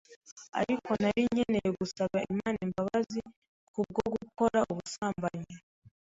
ariko nari nkeneye gusaba Imana imbabazi kubwo gukora ubusambanyi,